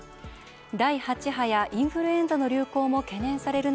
第８波やインフルエンザの流行も懸念される